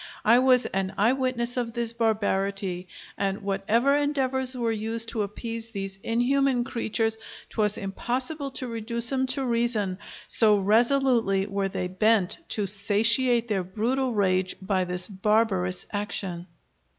I was an eye witness of this barbarity: and whatever endeavors were used to appease these inhuman creatures, 'twas impossible to reduce 'em to reason; so resolutely were they bent to satiate their brutal rage by this barbarous action.